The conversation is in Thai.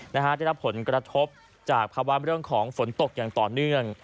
ได้รับผลกระทบจากภาวะเรื่องของฝนตกอย่างต่อเนื่อง